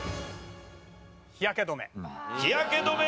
日焼け止め